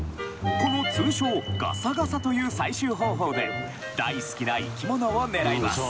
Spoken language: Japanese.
この通称「ガサガサ」という採集方法で大好きな生き物を狙います